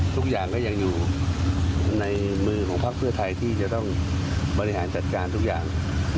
ทุกอย่างก็ยังอยู่ในมือของพักเพื่อไทยที่จะต้องบริหารจัดการทุกอย่าง